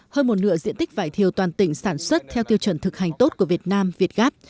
hơn một nửa diện tích vải thiều toàn tỉnh sản xuất theo tiêu chuẩn thực hành tốt của việt nam việt gáp